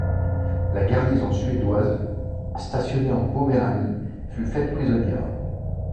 La garnison suédoise, stationnée en Poméranie, fut faite prisonnière.